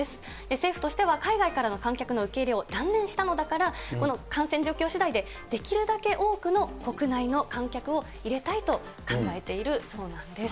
政府としては海外からの観客の受け入れを断念したのだから、この感染状況しだいでできるだけ多くの国内の観客を入れたいと考えているそうなんです。